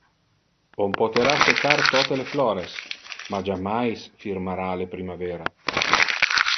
On potera secar tote le flores, ma jammais firmara le primavera.